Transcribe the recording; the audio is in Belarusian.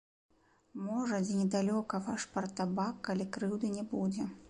Можа, дзе недалёка ваш партабак, калі крыўды не будзе.